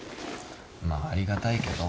まあありがたいけど。